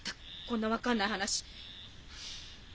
こんな分かんない話。